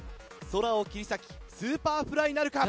空を切り裂きスーパーフライなるか？